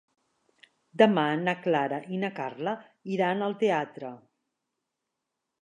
Demà na Clara i na Carla iran al teatre.